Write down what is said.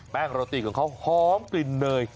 โรตีของเขาหอมกลิ่นเนย